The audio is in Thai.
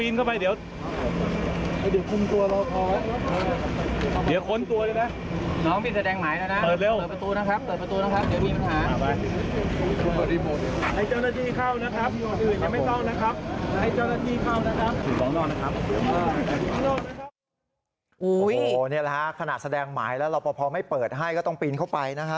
นี่แหละฮะขณะแสดงหมายแล้วรอปภไม่เปิดให้ก็ต้องปีนเข้าไปนะฮะ